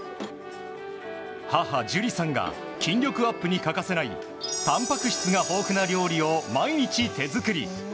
母・樹里さんが筋力アップに欠かせないたんぱく質が豊富な料理を毎日手作り。